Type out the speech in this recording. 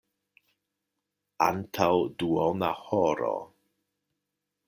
Antaŭ duona horo.